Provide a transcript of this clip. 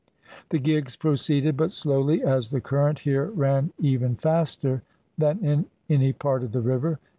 The gigs proceeded but slowly as the current here ran even faster than in any part of the river.